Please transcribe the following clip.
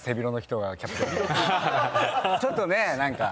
ちょっとね何か。